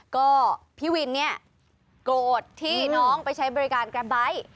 ก็พี่วินเนี่ยโกรธที่น้องไปใช้บริการแกรปไบท์